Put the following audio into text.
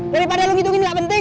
daripada lu ngitungin gak penting